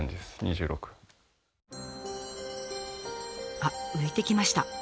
あっ浮いてきました！